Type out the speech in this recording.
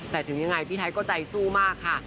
แต่ถึงยังไงพี่ไทยก็ใจสู้มากค่ะ